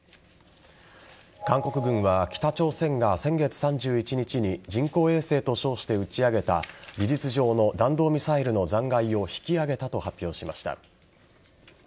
韓国軍は北朝鮮が先月３１日に人工衛星と称して打ち上げた事実上の弾道ミサイルの残骸を引き揚げたと発表しました。